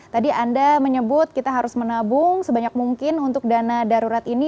tadi anda menyebut kita harus menabung sebanyak mungkin untuk dana darurat ini